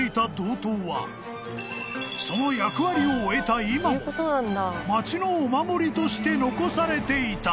［その役割を終えた今も町のお守りとして残されていた］